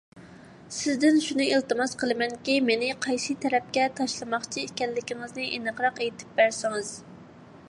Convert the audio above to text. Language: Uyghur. سىزدىن شۇنى ئىلتىماس قىلىمەنكى، مېنى قايسى تەرەپكە تاشلىماقچى ئىكەنلىكىڭىزنى ئېنىقراق ئېيتىپ بەرسىڭىز.